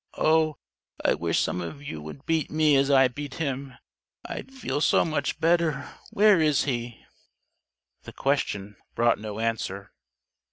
Oh, I wish some of you would beat me as I beat him! I'd feel so much better! Where is he?" The question brought no answer.